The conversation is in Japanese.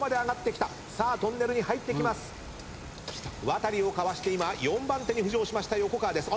ワタリをかわして今４番手に浮上しました横川です。